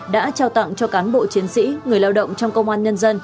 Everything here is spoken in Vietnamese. đã trao tặng cho cán bộ chiến sĩ người lao động trong công an nhân dân